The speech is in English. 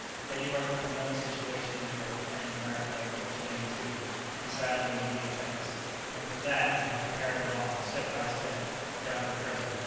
Then you work from the known situation in Europe and in America in 1492, and decide on the immediate effects. And from that, you have to carry it along, step by step, down to the present.